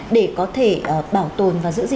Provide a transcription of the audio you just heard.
để có thể bảo tồn và giữ được những cái nguyên nhân